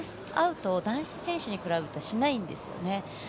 アウトを男子選手に比べるとしないんですよね。